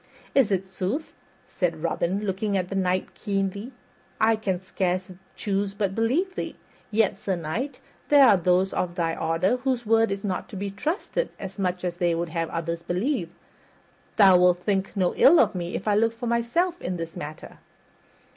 "Is it sooth?" said Robin, looking at the Knight keenly. "I can scarce choose but believe thee; yet, Sir Knight, there be those of thy order whose word is not to be trusted as much as they would have others believe. Thou wilt think no ill if I look for myself in this matter."